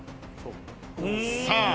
さあ